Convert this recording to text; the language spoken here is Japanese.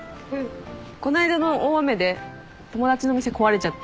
こないだの大雨で友達のお店壊れちゃって。